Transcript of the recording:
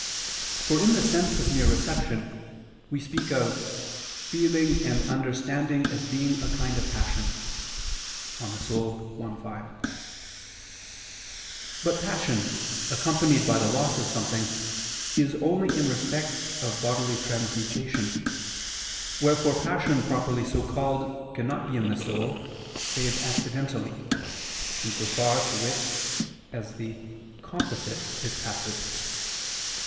For in the sense of mere reception, we speak of "feeling and understanding as being a kind of passion" (De Anima i, 5). But passion, accompanied by the loss of something, is only in respect of a bodily transmutation; wherefore passion properly so called cannot be in the soul, save accidentally, in so far, to wit, as the composite is passive.